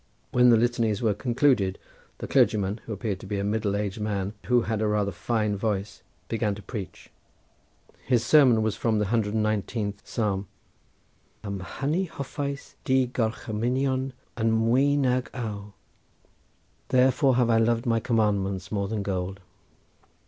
When the litanies were concluded the clergyman, who appeared to be a middle aged man, and who had rather a fine voice, began to preach. His sermon was from the 119th Psalm: "Am hynny hoffais dy gorchymynion yn mwy nag aur;" "Therefore have I loved thy commandments more than gold."